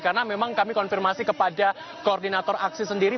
karena memang kami konfirmasi kepada koordinator aksi sendiri